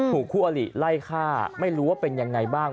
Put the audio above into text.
ถูกคู่อลิไล่ฆ่าไม่รู้ว่าเป็นยังไงบ้าง